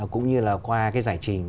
cũng như là qua cái giải trình